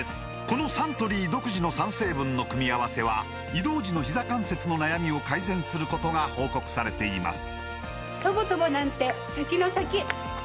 このサントリー独自の３成分の組み合わせは移動時のひざ関節の悩みを改善することが報告されています